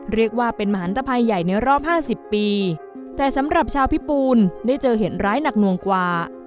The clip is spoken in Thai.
เรียกว่าเป็นมหันตภัยใหญ่ในรอบห้าสิบปีแต่สำหรับชาวพิปูนได้เจอเหตุร้ายหนักหน่วงกว่า